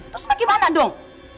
terus bagaimana dong